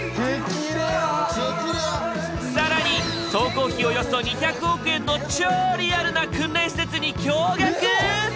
更に総工費およそ２００億円の超リアルな訓練施設に驚がく！